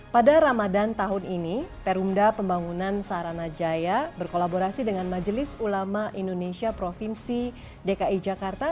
pada ramadan tahun ini perumda pembangunan saranajaya berkolaborasi dengan majelis ulama indonesia provinsi dki jakarta